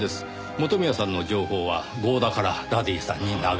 元宮さんの情報は合田からダディさんに流れた。